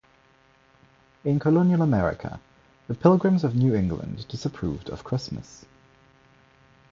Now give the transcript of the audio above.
In Colonial America, the Pilgrims of New England disapproved of Christmas.